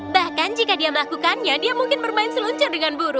bahkan jika dia melakukannya dia mungkin bermain seluncur dengan buru